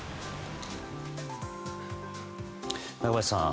中林さん